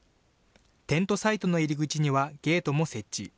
テントサイトの入り口にはゲートも設置。